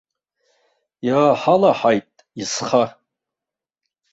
Иааҳалаҳаит исха.